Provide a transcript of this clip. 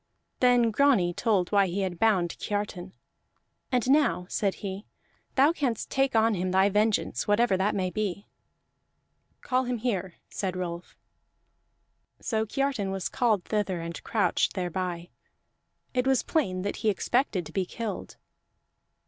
Then Grani told why he had bound Kiartan. "And now," said he, "thou canst take on him thy vengeance, whatever that may be." "Call him here," said Rolf. So Kiartan was called thither and crouched thereby; it was plain that he expected to be killed.